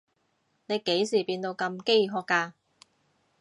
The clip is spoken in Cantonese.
你幾時變到咁飢渴㗎？